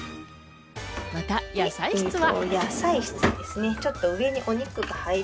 また、野菜室は。